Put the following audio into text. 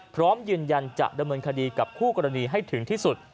พร้อมยืนยันจะดำเนินคดีกับคู่กรณีให้ถึงที่สุด